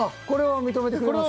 これは認めます。